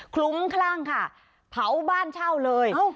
ลุ้มคลั่งค่ะเผาบ้านเช่าเลย